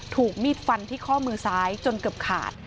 ถูกมีดฟันที่ข้อมือซ้ายจนเกือบขาด